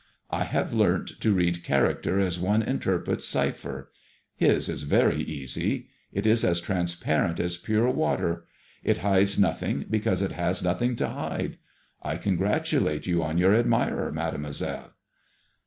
I have learnt to read charac ter as one interprets cypher. His is very easy. It is as transparent as pure water. It hides nothing because it has nothing to hide. I congratulate you on your ad mirer, Mademoiselle."